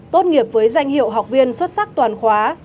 tốt nghiệp với danh hiệu học viên xuất sắc toàn khóa